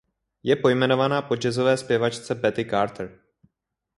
Je pojmenovaná po jazzové zpěvačce Betty Carter.